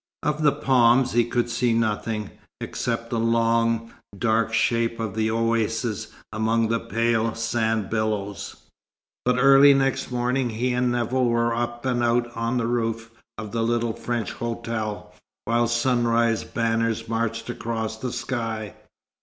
Of the palms he could see nothing, except the long, dark shape of the oasis among the pale sand billows; but early next morning he and Nevill were up and out on the roof of the little French hotel, while sunrise banners marched across the sky.